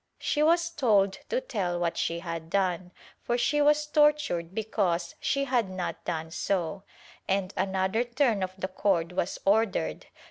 She was told to tell what she had done, for she was tortured because she had not done so, and another turn of the cord was ordered.